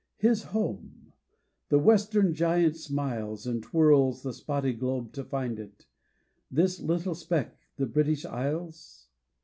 His home! the Western giant smiles, And twirls the spotty globe to find it; This little speck the British Isles?